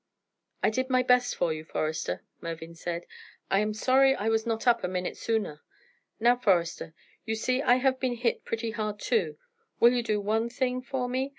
"I did my best for you, Forester," Mervyn said. "I am sorry I was not up a minute sooner. Now, Forester, you see I have been hit pretty hard, too; will you do one thing for me?